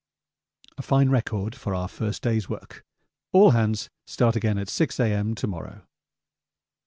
A fine record for our first day's work. All hands start again at 6 A.M. to morrow.